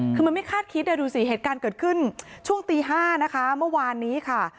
คือมันไม่คาดคิดดูสิเหตุการณ์เกิดขึ้นช่วงตี๕นะคะเมื่อวานนี้ค่ะ